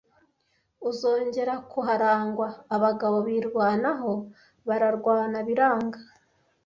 uzongera kuharangwa, abagabo birwanaho bararwana biranga